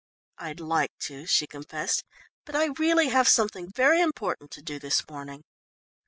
"I'd like to," she confessed, "but I really have something very important to do this morning."